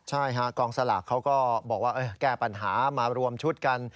ใช่ฮะกองสลากเขาก็บอกว่าแก้ปัญหามารวมชุดกัน